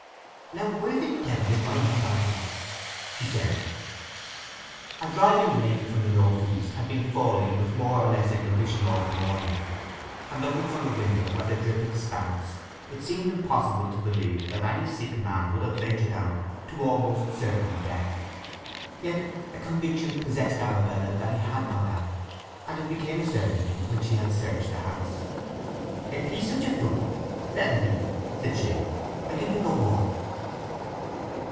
"Now where the devil is my man gone to!" she said. A driving rain from the north east had been falling with more or less intermission all the morning, and looking from the window at the dripping spouts it seemed impossible to believe that any sick man would have ventured out to almost certain death. Yet a conviction possessed Arabella that he had gone out, and it became a certainty when she had searched the house. "If he's such a fool, let him be!" she said. "I can do no more."